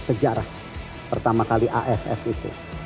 sejarah pertama kali aff itu